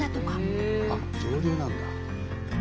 あっ上流なんだ。